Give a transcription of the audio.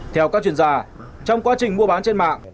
theo các chuyển giả trong quá trình mua bán trên mạng